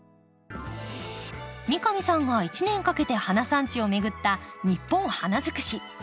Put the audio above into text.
三上さんが一年かけて花産地を巡った「ニッポン花づくし」。